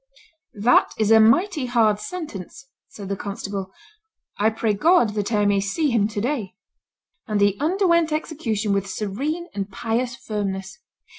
"That is a mighty hard sentence," said the constable; "I pray God that I may see Him to day." And he underwent execution with serene and pious firmness.